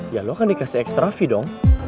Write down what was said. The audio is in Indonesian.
ya lo kan dikasih ekstra fee dong